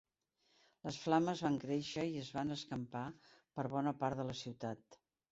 Les flames van créixer i es van escampar per bona part de la ciutat.